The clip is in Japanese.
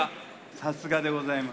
さすがでございます。